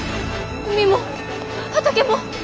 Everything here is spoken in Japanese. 海も畑も！